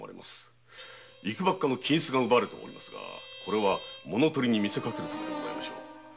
金子が奪われておりますが物盗りに見せかけるためでございましょう。